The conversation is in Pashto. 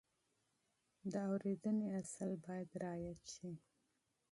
د اورېدنې اصل باید رعایت شي.